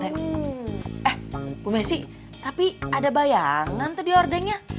eh bu messi tapi ada bayangan tadi ordengnya